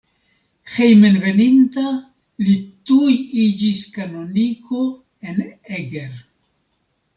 Hejmenveninta li tuj iĝis kanoniko en Eger.